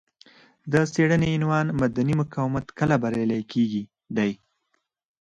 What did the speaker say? د څېړنې عنوان مدني مقاومت کله بریالی کیږي دی.